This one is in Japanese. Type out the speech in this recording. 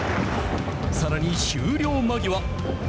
さらに終了間際。